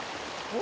お！